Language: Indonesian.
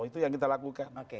itu yang kita lakukan